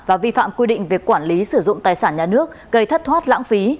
và vi phạm quy định về quản lý sử dụng tài sản nhà nước gây thất thoát lãng phí